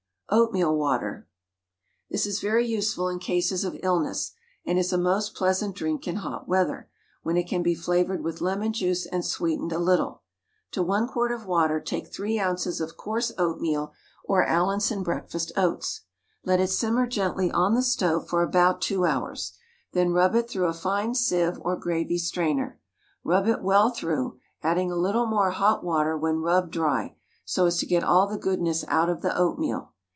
OATMEAL WATER. This is very useful in cases of illness, and is a most pleasant drink in hot weather, when it can be flavoured with lemon juice and sweetened a little. To 1 quart of water take 3 oz. of coarse oatmeal or Allinson breakfast oats. Let it simmer gently on the stove for about 2 hours. Then rub it through a fine sieve or gravy strainer; rub it well through, adding a little more hot water when rubbed dry, so as to get all the goodness out of the oatmeal.